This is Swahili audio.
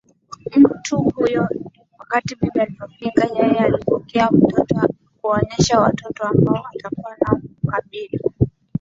mtu huyo Wakati bibi inapofika yeye anapokea mtoto kuwaonyesha watoto ambao atakuwa nao Kukabili